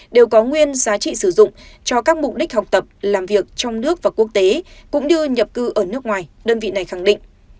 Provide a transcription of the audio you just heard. đều có nguyên giá trị sử dụng cho các mục đích học tập làm việc trong nước và quốc tế cũng như nhập cư ở nước ngoài đơn vị này khẳng định